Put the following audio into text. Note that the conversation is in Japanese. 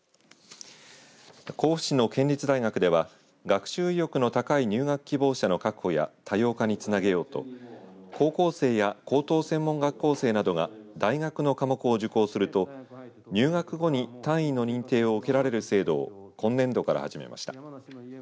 甲府市の県立大学では学習意欲の高い入学希望者の確保や多様化につなげようと高校生や高等専門学校生などは大学の科目を受講すると入学後に単位の認定を受けられる制度を今年度から始めました。